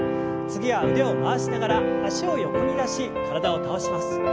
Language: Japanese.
次は腕を回しながら脚を横に出し体を倒します。